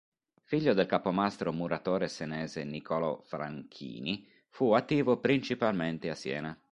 Figlio del capomastro muratore senese Nicolò Franchini, fu attivo principalmente a Siena.